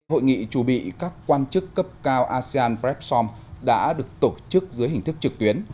hội nghị trù bị các quan chức cấp cao asean prepsom đã được tổ chức dưới hình thức trực tuyến